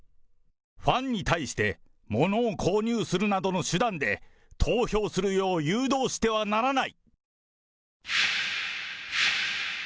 ファンに対して物を購入するなどの手段で投票するよう誘導してはならない。